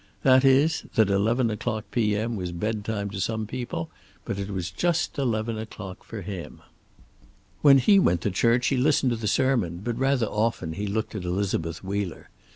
That is, that eleven o'clock P.M. was bed time to some people, but was just eleven o'clock for him. When he went to church he listened to the sermon, but rather often he looked at Elizabeth Wheeler.